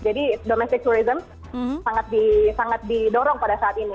jadi domestic tourism sangat didorong pada saat ini